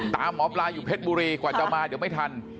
ตามหมอปลาอยู่เพชรบุรีกว่าจะมาเดี๋ยวไม่ทัน